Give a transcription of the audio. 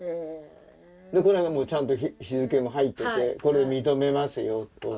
これはちゃんと日付も入っててこれ認めますよと。